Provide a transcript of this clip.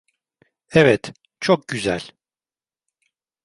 Evet, çok güzel.